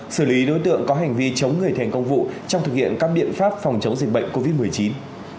xử lý đối tượng có hành vi chống người thành công vụ trong thực hiện các biện pháp phòng chống dịch bệnh covid một mươi chín